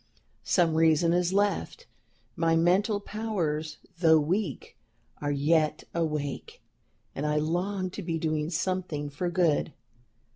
Some reason is left, my mental powers, though weak, are yet awake, and I long to be doing something for good.